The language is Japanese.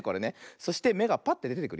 そしてめがぱってでてくるよ。